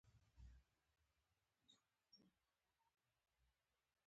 رنگ رنگ موټران او ډېر نور شيان پکښې وو.